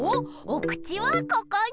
おくちはここに。